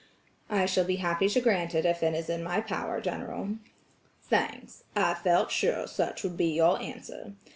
"I shall be happy to grant it if it is in my power, General." "Thanks, I felt sure such would be your answer.